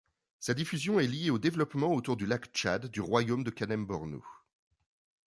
Sa diffusion est liée au développement autour du lac Tchad du royaume du Kanem-Bornou.